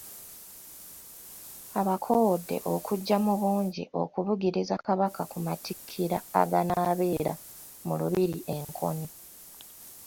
Abakowode okujja mu bungi okubugiriza Kabaka ku Matikkira aganaabera mu Lubiri e Nkoni.